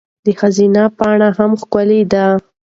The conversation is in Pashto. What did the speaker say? د خزان پاڼې هم ښکلي دي.